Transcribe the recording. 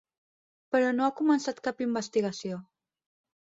Però no ha començat cap investigació.